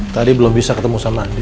tadi belum bisa ketemu sama andi